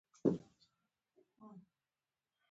چې په خپل نوښت سره په یاده برخه کې له اړوندو سکټوري ادارو